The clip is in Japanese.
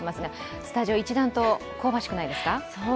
スタジオ、一段と香ばしくないですか？